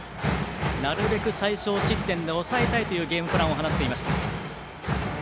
なるべく最少失点で抑えたいというゲームプランを話していました。